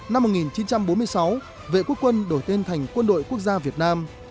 năm một nghìn chín trăm bốn mươi sáu vệ quốc quân đổi tên thành quân đội quốc gia việt nam